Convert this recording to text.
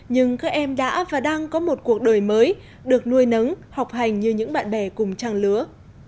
nhưng các em đã và đang có một cuộc đời mới được nuôi nấng học hành như những bạn bè cùng trang lứa